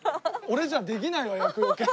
俺じゃできないわ厄除け。